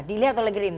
dilihat oleh gerindra